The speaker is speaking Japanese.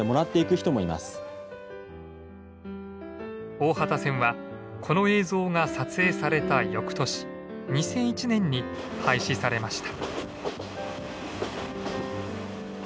大畑線はこの映像が撮影されたよくとし２００１年に廃止されました。